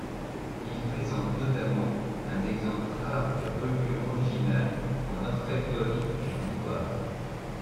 Il présente notamment un exemple rare de reliure originale en orfèvrerie et en ivoire.